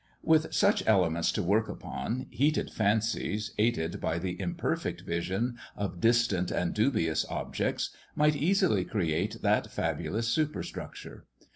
With such elements to work upon, heated fancies, aided by the imperfect vision of distant and dubious objects, might easily create that fabulous superstructure.